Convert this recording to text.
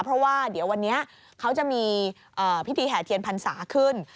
เพราะว่าเดี๋ยววันนี้เขาจะมีพิธีแห่เทียนพรรษาขึ้น